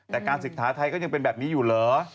แต่การศึกษาไทยก็ยังเป็นแบบนี้อยู่เหรอ